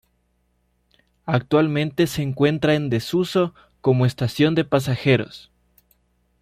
Actualmente se encuentra en desuso como estación de pasajeros.